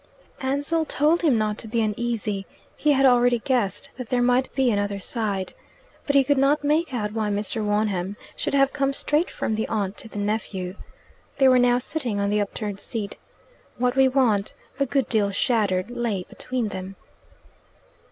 Ansell told him not to be uneasy: he lad already guessed that there might be another side. But he could not make out why Mr. Wonham should have come straight from the aunt to the nephew. They were now sitting on the upturned seat. "What We Want," a good deal shattered, lay between them.